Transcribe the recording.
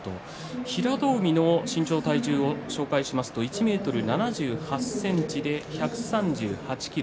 平戸海の身長体重を紹介しますと１ｍ７８ｃｍで１３８ｋｇ